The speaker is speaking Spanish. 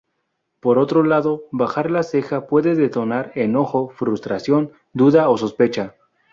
Por otro lado bajar las cejas puede denotar enojo, frustración, duda o sospecha.